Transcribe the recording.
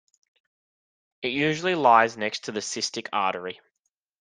It usually lies next to the cystic artery.